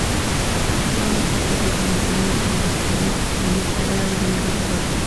Fueron sus padres Don Antonio Salustiano Muñoz Carrera y Doña Josefa Vega.